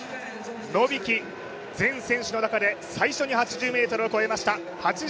ノビキ、全選手の中で最初に８０ｍを超えました。